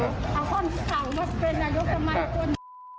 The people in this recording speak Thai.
เอาคนสาวมาเป็นอายุสมัยต้น